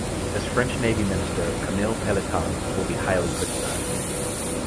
As French Navy minister, Camille Pelletan will be highly criticized.